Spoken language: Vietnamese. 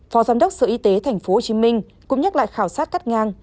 phó giám đốc sở y tế tp hcm cũng nhắc lại khảo sát cắt ngang